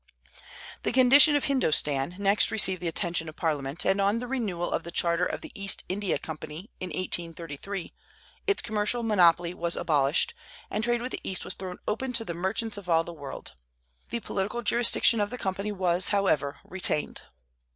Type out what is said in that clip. The condition of Hindostan next received the attention of Parliament; and on the renewal of the charter of the East India Company, in 1833, its commercial monopoly was abolished, and trade with the East was thrown open to the merchants of all the world. The political jurisdiction of the Company was, however, retained.